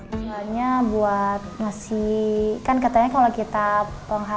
sebenarnya buat ngasih kan katanya kalau kita penghafal